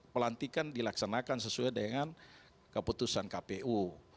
pelantikan dilaksanakan sesuai dengan keputusan kpu